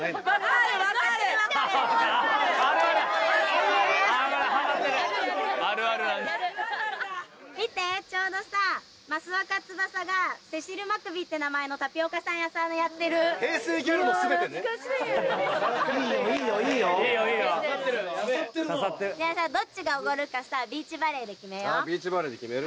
・あるある・ああハマってる見てちょうどさ益若つばさがセシルマクビーって名前のタピオカ屋さんやってる平成ギャルの全てねうわ懐かしいいいよいいよいいよいいよいいよ刺さってるなじゃあさどっちがおごるかさビーチバレーで決めようビーチバレーで決める？